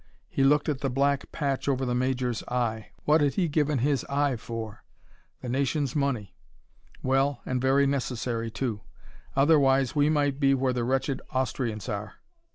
He looked at the black patch over the major's eye. What had he given his eye for? the nation's money. Well, and very necessary, too; otherwise we might be where the wretched Austrians are.